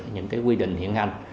những quy định hiện hành